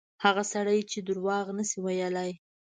هغه سړی چې دروغ نه شي ویلای.